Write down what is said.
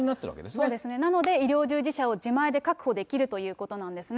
そうですね、なので医療従事者を自前で確保できるということなんですね。